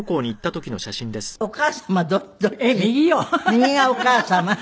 右がお母様？